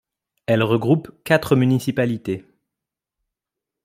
Elle regroupe quatre municipalités.